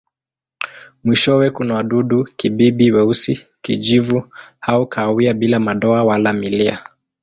Mwishowe kuna wadudu-kibibi weusi, kijivu au kahawia bila madoa wala milia.